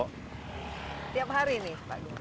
tiap hari nih pak